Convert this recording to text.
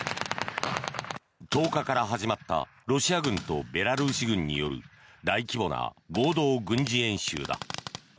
１０日から始まったロシア軍とベラルーシ軍による大規模な合同軍事演習だ。